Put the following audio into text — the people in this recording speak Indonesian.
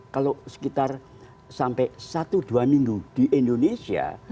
kalau sekitar sampai satu dua minggu di indonesia